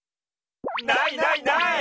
ないないない。